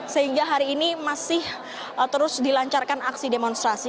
sehingga hari ini masih terus dilancarkan aksi demonstrasi